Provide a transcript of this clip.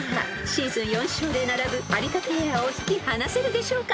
［シーズン４勝で並ぶ有田ペアを引き離せるでしょうか？］